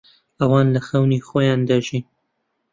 ئەوان لە خەونی خۆیان دەژین.